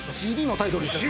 ＣＤのタイトルでした。